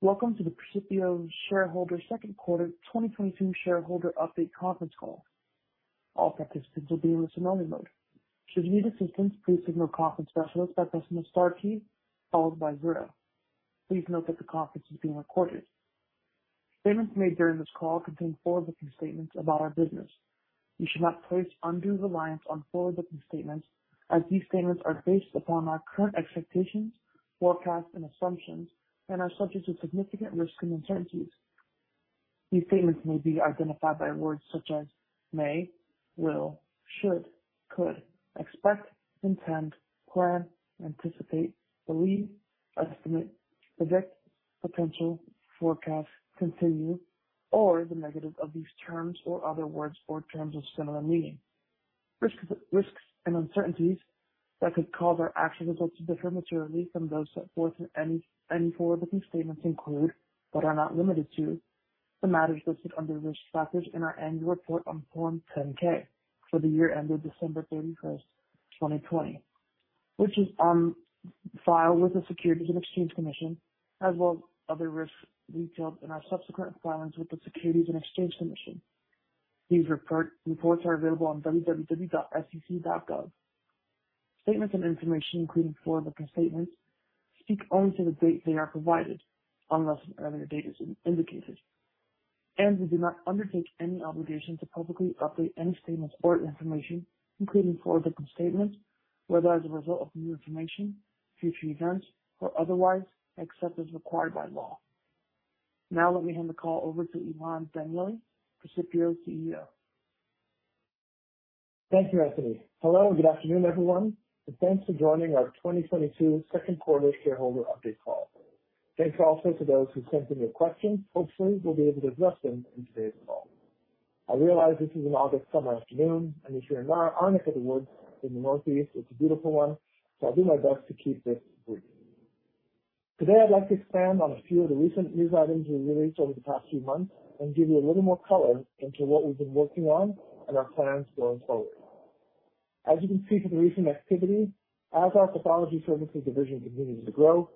Welcome to the Precipio Shareholders Second Quarter 2022 Shareholder Update Conference Call. All participants will be in listen only mode. Should you need assistance, please signal a conference specialist by pressing the star key followed by zero. Please note that the conference is being recorded. Statements made during this call contain forward-looking statements about our business. You should not place undue reliance on forward-looking statements as these statements are based upon our current expectations, forecasts, and assumptions and are subject to significant risks and uncertainties. These statements may be identified by words such as may, will, should, could, expect, intend, plan, anticipate, believe, estimate, project, potential, forecast, continue, or the negative of these terms or other words or terms of similar meaning. Risks and uncertainties that could cause our actual results to differ materially from those set forth in any forward-looking statements include, but are not limited to, the matters listed under Risk Factors in our annual report on Form 10-K for the year ended December 31st, 2020, which is on file with the Securities and Exchange Commission, as well as other risks detailed in our subsequent filings with the Securities and Exchange Commission. These reports are available on www.sec.gov. Statements and information, including forward-looking statements, speak only to the date they are provided, unless an earlier date is indicated. We do not undertake any obligation to publicly update any statements or information, including forward-looking statements, whether as a result of new information, future events, or otherwise, except as required by law. Now let me hand the call over to Ilan Danieli, Precipio CEO. Thank you, Anthony. Hello and good afternoon, everyone, and thanks for joining our 2022 second quarter shareholder update call. Thanks also to those who sent in your questions. Hopefully we'll be able to address them in today's call. I realize this is an August summer afternoon, and if you're not on the woods in the Northeast, it's a beautiful one, so I'll do my best to keep this brief. Today I'd like to expand on a few of the recent news items we released over the past few months and give you a little more color into what we've been working on and our plans going forward. As you can see from the recent activity, as our Pathology Services Division continues to grow,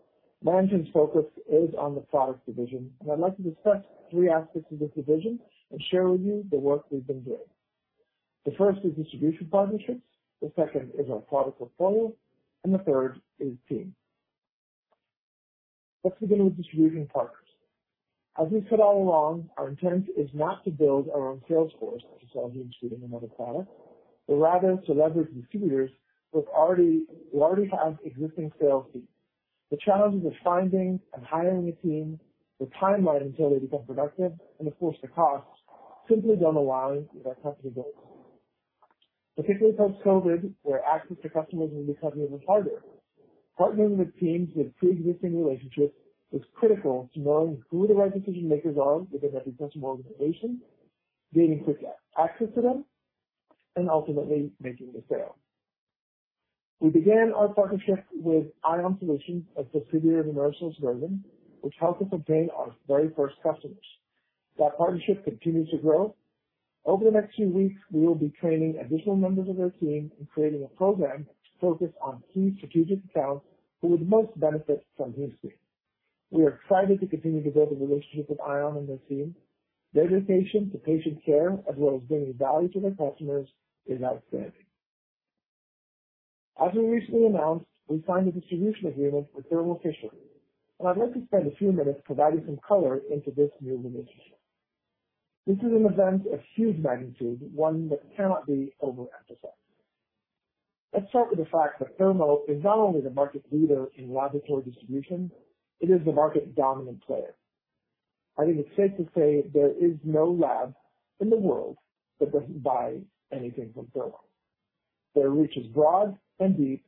management's focus is on the Products Division, and I'd like to discuss three aspects of this division and share with you the work we've been doing. The first is distribution partnerships, the second is our product portfolio, and the third is team. Let's begin with distribution partners. As we've said all along, our intent is not to build our own sales force to sell HemeScreen and other products, but rather to leverage distributors who already have existing sales teams. The challenges of finding and hiring a team, the timeline until they become productive, and of course, the costs simply don't align with our company goals. Particularly post-COVID, where access to customers and new customers is harder. Partnering with teams with preexisting relationships is critical to knowing who the right decision makers are within every customer organization, gaining quick access to them, and ultimately making the sale. We began our partnership with ION Solutions as the distributor of Emercel's Regen, which helped us obtain our very first customers. That partnership continues to grow. Over the next few weeks, we will be training additional members of their team and creating a program focused on key strategic accounts who would most benefit from HemeScreen. We are excited to continue to build a relationship with Ion and their team. Their dedication to patient care as well as bringing value to their customers is outstanding. As we recently announced, we signed a distribution agreement with Thermo Fisher, and I'd like to spend a few minutes providing some color into this new relationship. This is an event of huge magnitude, one that cannot be overemphasized. Let's start with the fact that Thermo is not only the market leader in laboratory distribution, it is the market dominant player. I think it's safe to say there is no lab in the world that doesn't buy anything from Thermo. Their reach is broad and deep.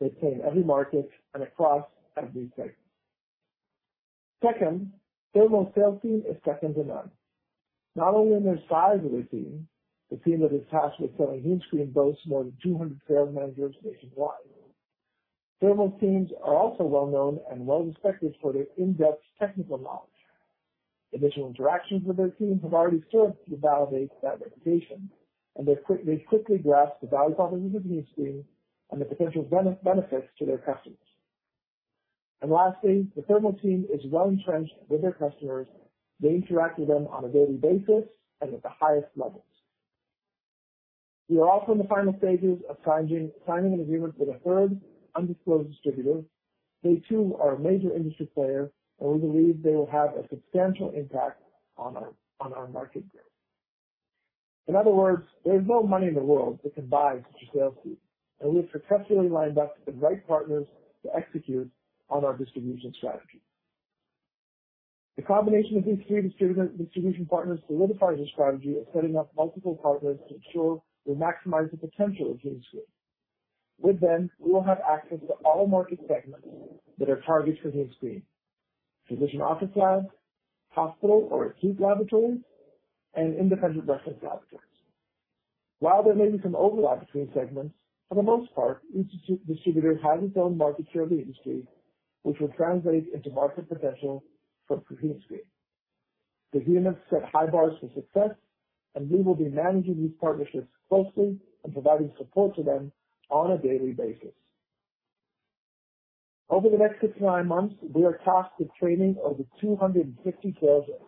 They play in every market and across every segment. Second, Thermo's sales team is second to none. Not only in the size of their team, the team that is tasked with selling HemeScreen boasts more than 200 sales managers nationwide. Thermo's teams are also well known and well respected for their in-depth technical knowledge. Initial interactions with their teams have already served to validate that reputation, and they quickly grasp the value proposition of HemeScreen and the potential benefits to their customers. Lastly, the Thermo team is well entrenched with their customers. They interact with them on a daily basis and at the highest levels. We are also in the final stages of signing an agreement with a third undisclosed distributor. They too are a major industry player, and we believe they will have a substantial impact on our market growth. In other words, there's no money in the world that can buy such a sales team, and we have successfully lined up the right partners to execute on our distribution strategy. The combination of these three distribution partners solidifies the strategy of setting up multiple partners to ensure we maximize the potential of HemeScreen. With them, we will have access to all market segments that are targets for HemeScreen. Physician office labs, hospital or acute laboratories, and independent reference laboratories. While there may be some overlap between segments, for the most part, each distributor has its own market share of the industry, which will translate into market potential for HemeScreen. The units set high bars for success, and we will be managing these partnerships closely and providing support to them on a daily basis. Over the next six to nine months, we are tasked with training over 250 sales reps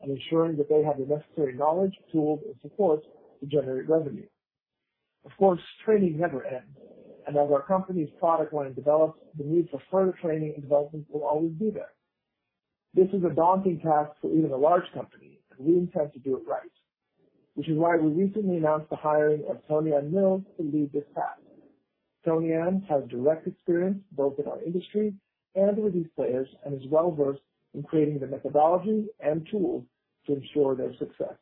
and ensuring that they have the necessary knowledge, tools, and support to generate revenue. Of course, training never ends, and as our company's product line develops, the need for further training and development will always be there. This is a daunting task for even a large company, and we intend to do it right, which is why we recently announced the hiring of Tonya Mills to lead this path. Tonya Mills has direct experience both in our industry and with these players, and is well-versed in creating the methodology and tools to ensure their success.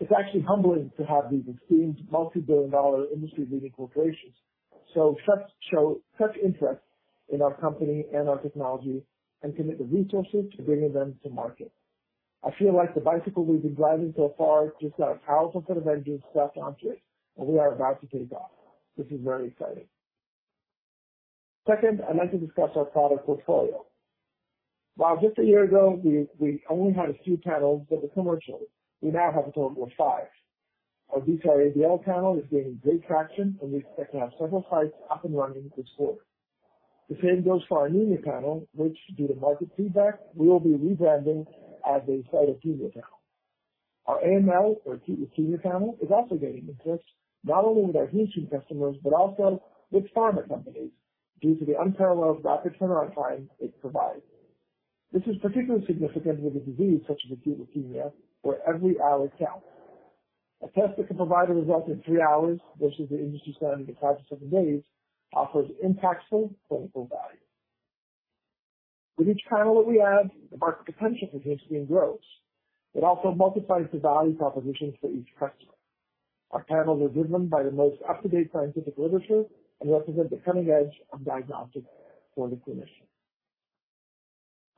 It's actually humbling to have these esteemed multi-billion dollar industry-leading corporations show such interest in our company and our technology and commit the resources to bringing them to market. I feel like the bicycle we've been driving so far just got a powerful set of engines slapped onto it, and we are about to take off. This is very exciting. Second, I'd like to discuss our product portfolio. While just a year ago, we only had a few panels that were commercial, we now have a total of five. Our BCR-ABL Panel is gaining great traction, and we expect to have several sites up and running this quarter. The same goes for our Anemia Panel, which, due to market feedback, we will be rebranding as a Cytopenia Panel. Our AML, or acute leukemia, panel is also gaining interest, not only with our HemeScreen customers, but also with pharma companies due to the unparalleled rapid turnaround time it provides. This is particularly significant with a disease such as acute leukemia, where every hour counts. A test that can provide a result in three hours versus the industry standard of five to seven days offers impactful clinical value. With each panel that we add, the market potential for HemeScreen grows. It also multiplies the value propositions for each customer. Our panels are driven by the most up-to-date scientific literature and represent the cutting edge of diagnostics for the clinician.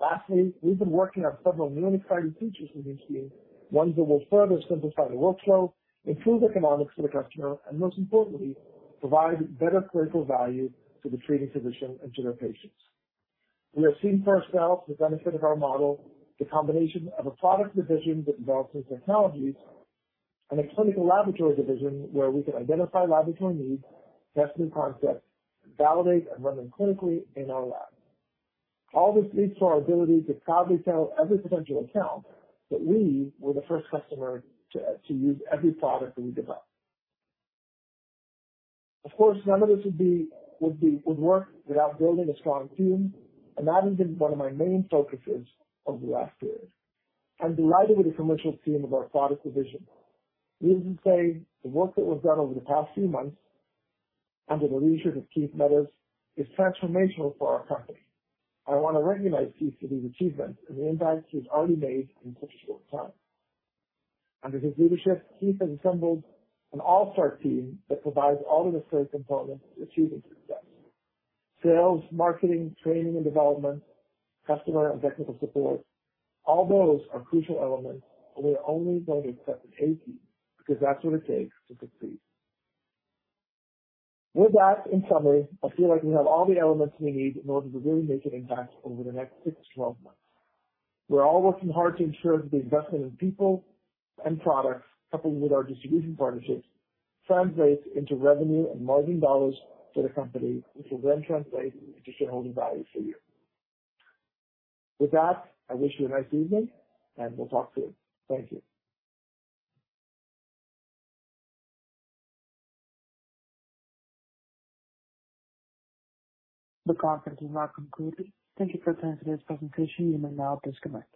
Lastly, we've been working on several really exciting features for HemeScreen, ones that will further simplify the workflow, improve economics for the customer, and most importantly, provide better clinical value to the treating physician and to their patients. We have seen first-hand the benefit of our model, the combination of a product division that develops new technologies, and a clinical laboratory division where we can identify laboratory needs, test new concepts, validate and run them clinically in our lab. All this leads to our ability to proudly tell every potential account that we were the first customer to use every product that we develop. Of course, none of this would work without building a strong team, and that has been one of my main focuses over the last period. I'm delighted with the commercial team of our product division. Needless to say, the work that was done over the past few months under the leadership of Keith Meadows is transformational for our company. I wanna recognize Keith for these achievements and the impact he's already made in such a short time. Under his leadership, Keith has assembled an all-star team that provides all the necessary components for achieving success. Sales, marketing, training, and development, customer and technical support. All those are crucial elements, and we're only going to accept the A-team because that's what it takes to succeed. With that, in summary, I feel like we have all the elements we need in order to really make an impact over the next six to 12 months. We're all working hard to ensure that the investment in people and products, coupled with our distribution partnerships, translates into revenue and margin dollars for the company, which will then translate into shareholder value for you. With that, I wish you a nice evening, and we'll talk soon. Thank you. The conference has now concluded. Thank you for attending today's presentation. You may now disconnect.